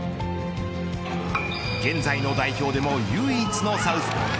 現在の代表でも唯一のサウスポー。